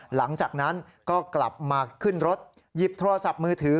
หลังจากนั้นก็กลับมาขึ้นรถหยิบโทรศัพท์มือถือ